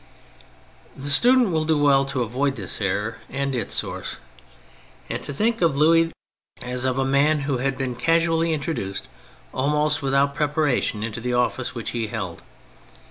The student will do well to avoid this error and its source, and to think of Louis as of a man who had been casually intro duced, almost without preparation, into the office which he held.